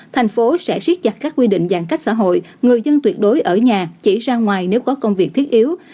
thành phố sẽ siết chặt các quy định giãn cách xã hội người dân tuyệt đối ở nhà chỉ ra ngoài nếu có công việc thiết yếu